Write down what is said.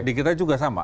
di kita juga sama